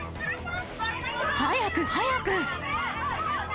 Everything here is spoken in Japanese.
早く！早く！